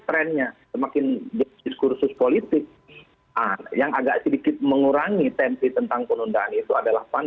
jadi trendnya semakin diskursus politik yang agak sedikit mengurangi tensi tentang penundaan itu adalah pan